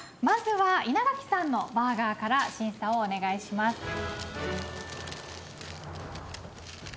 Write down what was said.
まずは稲垣さんのバーガーから審査をお願いします。